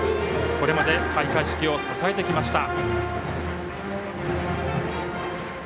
これまで開会式を支えてきました。